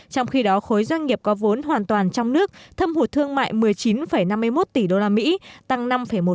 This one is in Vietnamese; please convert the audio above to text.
trong khi đó khối doanh nghiệp có vốn hoàn toàn trong nước thâm hụt thương mại một mươi chín năm mươi một tỷ đô la mỹ tăng năm một